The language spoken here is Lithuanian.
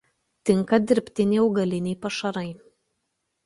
Tinka dirbtiniai augaliniai pašarai.